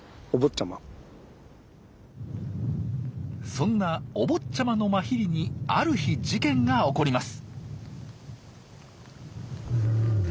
そんなお坊ちゃまのマヒリにある日事件が起こります。